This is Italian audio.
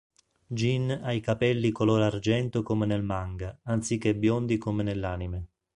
Gin ha i capelli color argento come nel manga, anziché biondi come nell'anime.